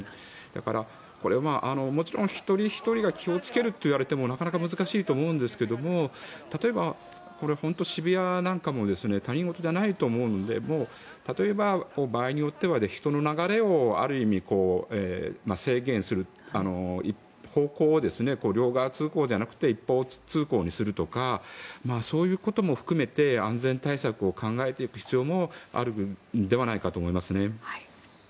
だから、もちろん一人ひとりが気をつけるといわれてもなかなか難しいと思うんですが例えば、渋谷なんかも他人事じゃないと思うので例えば場合によっては人の流れをある意味、制限する方向を、両側通行じゃなくて一方通行にするとかそういうことも含めて安全対策を考えていく必要もあるのではないかと思いますね。